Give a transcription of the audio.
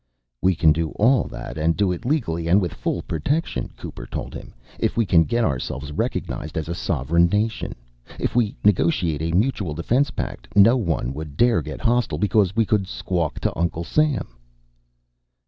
"We can do all that and do it legally and with full protection," Cooper told him, "if we can get ourselves recognized as a sovereign nation. If we negotiate a mutual defense pact, no one would dare get hostile because we could squawk to Uncle Sam."